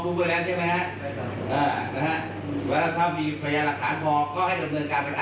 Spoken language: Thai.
ก็คือให้ออกหมายเรียกมารับทราบข้อหาคืออาวุธปืนไป